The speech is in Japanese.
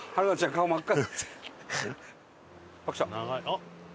顔真っ赤。